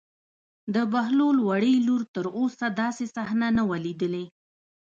د بهلول وړې لور تر اوسه داسې صحنه نه وه لیدلې.